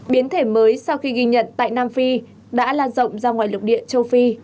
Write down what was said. biến thể mới sau khi ghi nhận tại nam phi đã lan rộng ra ngoài lục địa châu phi